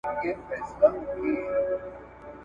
او یوه بشپړه موضوع جوړوي